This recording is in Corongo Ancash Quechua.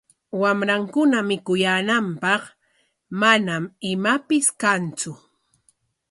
Wamrankuna mikuyaananpaq manam imapis kantsu.